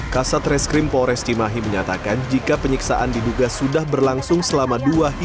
kasat reskrim polres cimahi menyatakan jika penyiksaan diduga sudah berlangsung selama dua hari